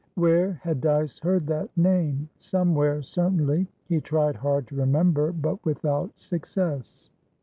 Where had Dyce heard that name? Somewhere, certainly. He tried hard to remember, but without success.